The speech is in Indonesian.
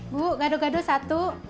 bu gaduh gaduh satu